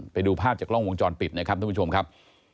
ไปดูภาพจากกล้องวงจรปิดนะครับท่านผู้ชมครับ